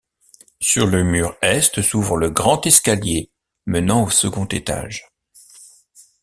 Sur le mur Est, s'ouvre le Grand escalier menant au second étage.